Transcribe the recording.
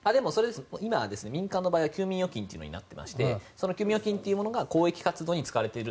今は民間の場合は休眠預金というのになってまして休眠預金というものが公益活動に使われている。